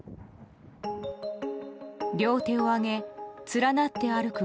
両手を上げ連なって歩く